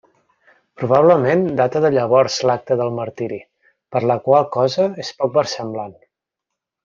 Probablement data de llavors l'acta del martiri, per la qual cosa és poc versemblant.